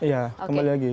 iya kembali lagi